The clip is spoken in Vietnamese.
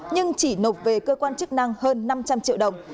nhưng chỉ nộp về cơ quan chức năng hơn năm trăm linh triệu đồng